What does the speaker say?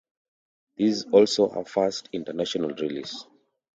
This is also her first international release.